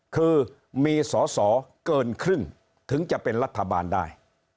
คือมีสอสอเกินครึ่งถึงจะเป็นรัฐบาลได้